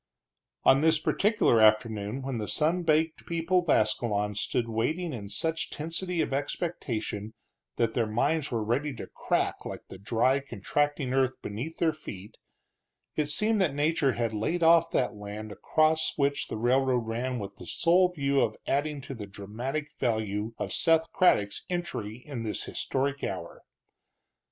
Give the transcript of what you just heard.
On this particular afternoon when the sun baked people of Ascalon stood waiting in such tensity of expectation that their minds were ready to crack like the dry, contracting earth beneath their feet, it seemed that nature had laid off that land across which the railroad ran with the sole view of adding to the dramatic value of Seth Craddock's entry in this historic hour.